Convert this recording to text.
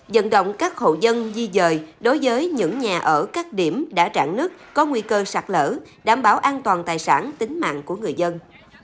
dẫn động các hộ dân di dời đối với những nhà ở các điểm đã trạng nứt có nguy cơ sạt lở đảm bảo an toàn tài sản tính mạng của người dân